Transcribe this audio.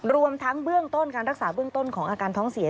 รวมทั้งเบื้องต้นการรักษาเบื้องต้นของอาการท้องเสีย